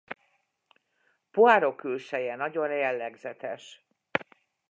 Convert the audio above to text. Poirot külseje nagyon jellegzetes.